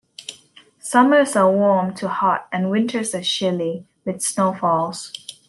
Summers are warm to hot and winters are chilly, with snowfalls.